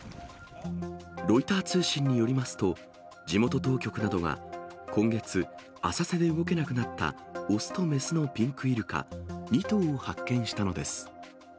ロイター通信によりますと、地元当局などが、今月、浅瀬で動けなくなった雄と雌のピンクイルカ２頭を発見したのです。